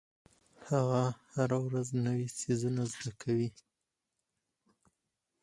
هغه هره ورځ نوې څیزونه زده کوي.